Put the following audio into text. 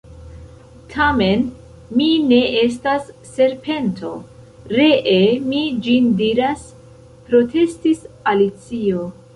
"Tamen mi ne estas serpento, ree mi ĝin diras," protestis Alicio.